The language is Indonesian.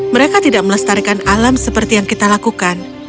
mereka tidak melestarikan alam seperti yang kita lakukan